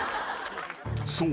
［そう。